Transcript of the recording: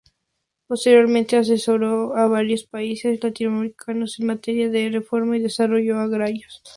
Posteriormente asesoró a varios países latinoamericanos en materia de reforma y desarrollo agrarios.